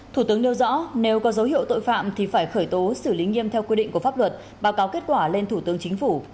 thủ tướng nêu rõ nếu có dấu hiệu tội phạm thì phải khởi tố xử lý nghiêm theo quy định của pháp luật báo cáo kết quả lên thủ tướng chính phủ